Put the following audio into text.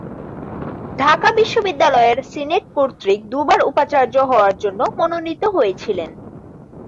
ঢাকা বিশ্ববিদ্যালয়ের সিনেট কর্তৃক দুবার উপাচার্য হওয়ার জন্য মনোনীত হয়েছিলেন।